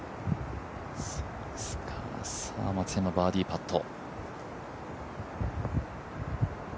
松山、バーディーパット。